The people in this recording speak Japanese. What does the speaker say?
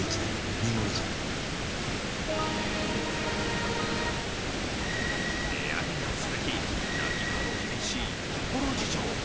ニューオリジン」値上げが続き、何かと厳しい懐事情。